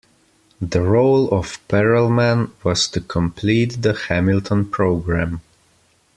The role of Perelman was to complete the Hamilton program.